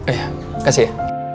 iya kasih ya